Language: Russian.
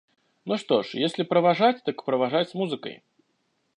– Ну что ж, если провожать, так провожать с музыкой.